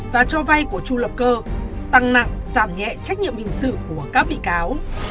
và cho vai của tru lập cơ tăng nặng giảm nhẹ trách nhiệm hình sự của các bị cáo